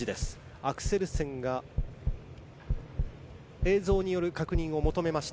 アクセルセンが映像による確認を求めました。